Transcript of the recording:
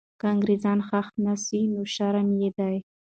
که انګریزان ښخ نه سوي، نو شرم یې دی.